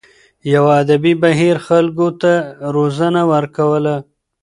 یوه ادبي بهیر خلکو ته روزنه ورکوله.